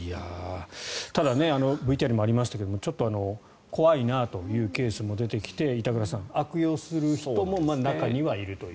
ただ、ＶＴＲにもありましたけどちょっと怖いなというケースも出てきて板倉さん、悪用する人も中にはいるという。